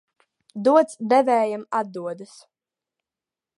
Dots devējām atdodas.